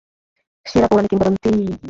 সেরা, পৌরাণিক, কিংবদন্তী।